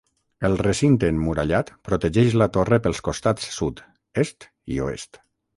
El recinte emmurallat protegeix la torre pels costats sud, est i oest.